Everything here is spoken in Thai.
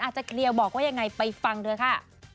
จะเคลียร์บอกว่ายังไงไปฟังเถอะค่ะ